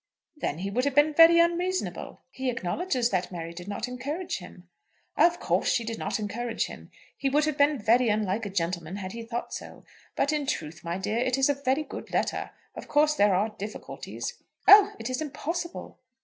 "Then he would have been very unreasonable." "He acknowledges that Mary did not encourage him." "Of course she did not encourage him. He would have been very unlike a gentleman had he thought so. But in truth, my dear, it is a very good letter. Of course there are difficulties." "Oh; it is impossible!"